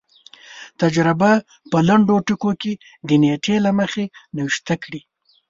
تجربه په لنډو ټکو کې د نېټې له مخې نوشته کړي.